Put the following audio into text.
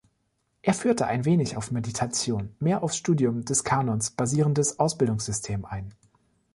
Er führte ein wenig auf Meditation, mehr auf Studium des Kanons basierendes Ausbildungssystem ein.